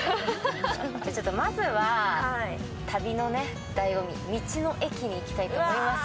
まずは旅のだいご味、道の駅に行きたいと思います。